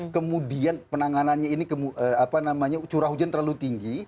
kemudian penanganannya ini apa namanya curah hujan terlalu tinggi